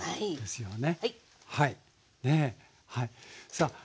さあ